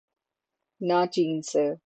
نہ چین سے۔